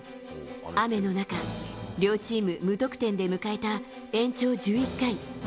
雨の中、両チーム無得点で迎えた延長１１回。